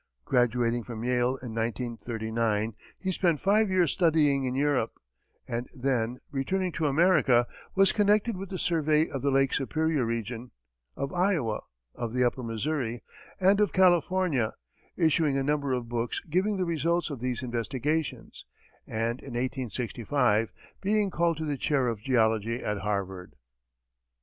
Graduating from Yale in 1839, he spent five years studying in Europe, and then, returning to America, was connected with the survey of the Lake Superior region, of Iowa, of the upper Missouri, and of California, issuing a number of books giving the results of these investigations, and in 1865, being called to the chair of geology at Harvard.